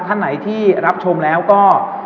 ท่านไหนที่รับชมแล้วก็